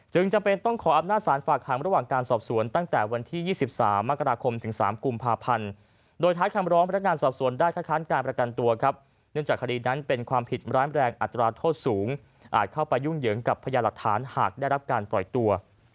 จำเป็นต้องขออำนาจสารฝากหางระหว่างการสอบสวนตั้งแต่วันที่๒๓มกราคมถึง๓กุมภาพันธ์โดยท้ายคำร้องพนักงานสอบสวนได้คัดค้านการประกันตัวครับเนื่องจากคดีนั้นเป็นความผิดร้ายแรงอัตราโทษสูงอาจเข้าไปยุ่งเหยิงกับพญาหลักฐานหากได้รับการปล่อยตัว